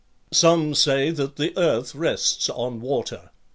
Some say that the earth rests on water.